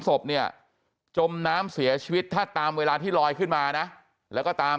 ศพเนี่ยจมน้ำเสียชีวิตถ้าตามเวลาที่ลอยขึ้นมานะแล้วก็ตาม